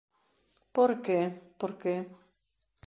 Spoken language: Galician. Por que? Porque...